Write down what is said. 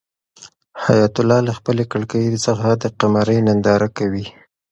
حیات الله له خپلې کړکۍ څخه د قمرۍ ننداره کوي.